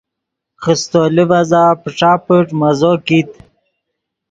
خیستو لیڤزا پݯا پݯ مزو کیت